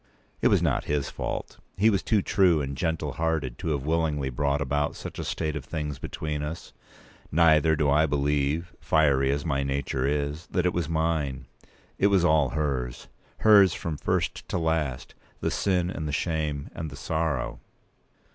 It was not his fault. He was too true and gentle hearted to have willingly brought about such a state of things between us. Neither do I believe—fiery as my nature is—that it was p. 195mine. It was all hers—hers from first to last—the sin, and the shame, and the sorrow.